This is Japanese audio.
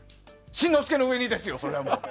新之助の上にですよ、それは。